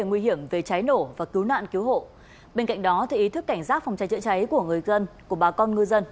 nguy hiểm về cháy nổ và cứu nạn cứu hộ bên cạnh đó ý thức cảnh giác phòng cháy chữa cháy của người dân của bà con ngư dân